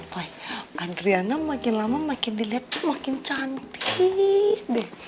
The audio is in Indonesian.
wah adriana makin lama makin dilihat tuh makin cantik deh